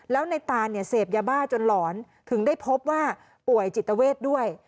แล้วในตานเนี่ยเสพยาบ้าจนหลอนถึงได้พบว่าป่วยจิตเวทด้วย